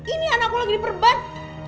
ini anakku lagi diperban